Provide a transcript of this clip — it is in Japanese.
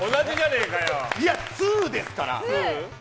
いや、２ですから。